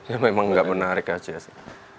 ya memang nggak menarik aja sih